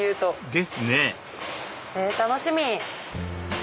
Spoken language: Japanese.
ですね楽しみ！